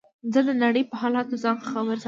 زه د نړۍ په حالاتو ځان خبر ساتم.